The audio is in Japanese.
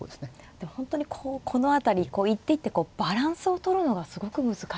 でも本当にこうこの辺り一手一手バランスをとるのがすごく難しい。